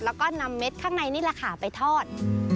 โหเม็ดบัวอบ